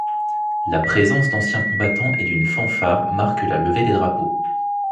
La présence d'anciens combattants et d'une fanfare marquent la levée des drapeaux.